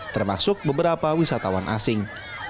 termasuk beberapa wisatawan asing